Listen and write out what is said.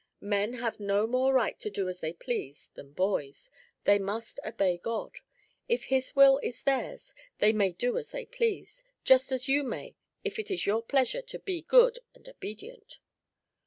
"Men have no more right to do as they please than boys; they must obey God. If his will is theirs, they may do as they please, just as you may if it is your pleasure to be good and obedient."